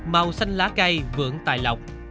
màu xanh lá cây vượng tài lọc